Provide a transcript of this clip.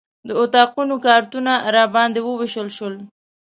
د اتاقونو کارتونه راباندې ووېشل شول.